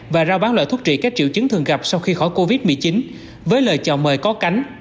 và rao bán loại thuốc trị các triệu chứng thường gặp sau khi khỏi covid một mươi chín với lời chào mời có cánh